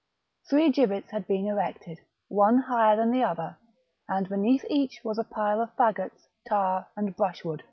Three gibbets had been erected, one higher than the others, and beneath each was a pile of faggots, tar, and brushwood.